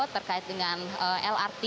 terkait dengan lrt